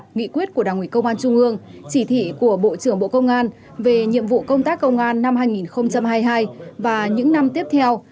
nghị quyết của đảng ủy công an trung ương chỉ thị của bộ trưởng bộ công an về nhiệm vụ công tác công an năm hai nghìn hai mươi hai và những năm tiếp theo